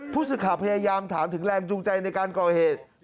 ผู้สื่อข่าวพยายามถามถึงแรงจูงใจในการก่อเหตุ